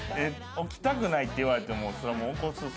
起きたくないって言われてもそれはもう起こすっすよね。